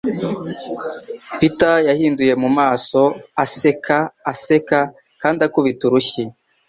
Peter yahinduye mu maso aseka aseka kandi akubita urushyi.